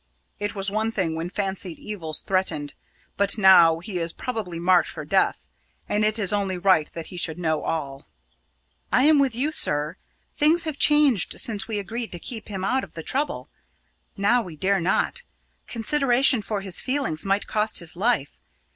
It was one thing when fancied evils threatened, but now he is probably marked for death, and it is only right that he should know all." "I am with you, sir. Things have changed since we agreed to keep him out of the trouble. Now we dare not; consideration for his feelings might cost his life.